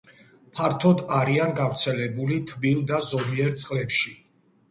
ფართოდ არიან გავრცელებული თბილ და ზომიერ წყლებში.